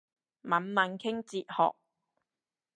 猛猛傾哲學